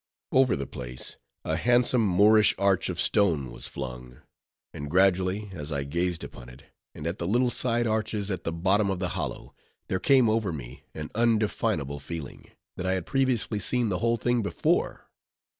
Over the place, a handsome Moorish arch of stone was flung; and gradually, as I gazed upon it, and at the little side arches at the bottom of the hollow, there came over me an undefinable feeling, that I had previously seen the whole thing before.